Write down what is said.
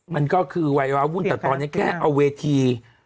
มันก็คือวัยวะวุ่นแต่ตอนนี้แค่เอาเวที